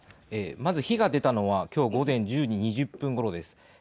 まず火が出たのは午前１０時２０分ごろです。